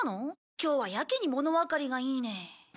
今日はやけに物わかりがいいね。